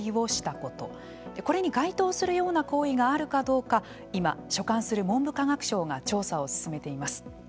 これに該当するような行為があるかどうか今、所管する文部科学省が調査を進めています。